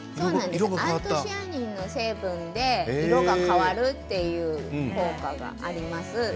アントシアニンの成分で色が変わる効果があります。